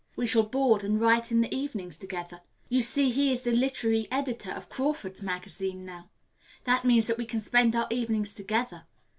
We shall board and write in the evenings together. You see he is the literary editor of Crawford's Magazine now. That means that we can spend our evenings together.